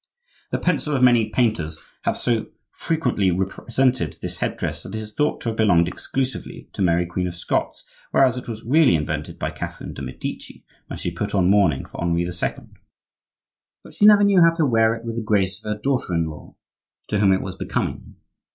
The pencil of many painters have so frequently represented this head dress that it is thought to have belonged exclusively to Mary Queen of Scots; whereas it was really invented by Catherine de' Medici, when she put on mourning for Henri II. But she never knew how to wear it with the grace of her daughter in law, to whom it was becoming.